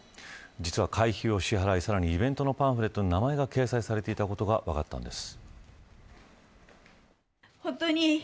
実は会費を支払い、さらにイベントのパンフレットに名前が掲載されていたことが分かったんです。